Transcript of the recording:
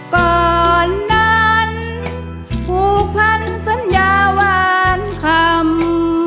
ก่อนนั้นผูกพันสัญญาวานคำ